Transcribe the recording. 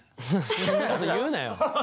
そんなこと言うなよ。